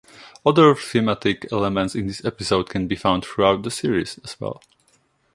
Other thematic elements in this episode can be found throughout the series, as well.